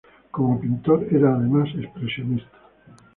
Como pintor era además expresionista.